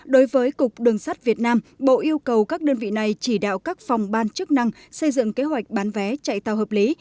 đối với cục đường sắt việt nam bộ yêu cầu các đơn vị này chỉ đạo các phòng ban chức năng xây dựng kế hoạch bán vé chạy tàu hợp lý